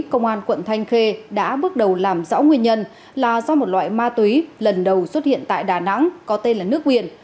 phạm thanh khê đã bước đầu làm rõ nguyên nhân là do một loại ma túy lần đầu xuất hiện tại đà nẵng có tên là nước biển